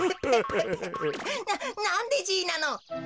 ななんでじいなの？